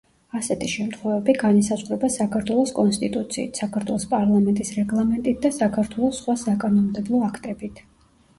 ასეთი შემთხვევები განისაზღვრება საქართველოს კონსტიტუციით, საქართველოს პარლამენტის რეგლამენტით და საქართველოს სხვა საკანონმდებლო აქტებით.